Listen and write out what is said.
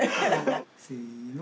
せの。